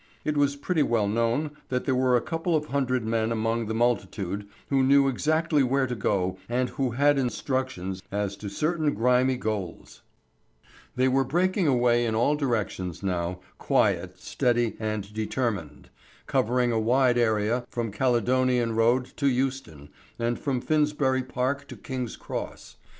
It was pretty well known that there were a couple of hundred men amongst the multitude who knew exactly where to go and who had instructions as to certain grimy goals. They were breaking away in all directions now, quiet, steady, and determined, covering a wide area from Caledonian Road to Euston, and from Finsbury Park to King's Cross.